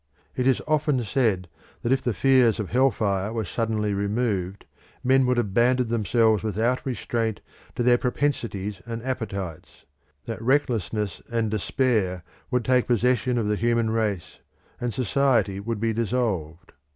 It is often said that if the fears of hell fire were suddenly removed men would abandon themselves without restraint to their propensities and appetites; that recklessness and despair would take possession of the human race, and society would be dissolved.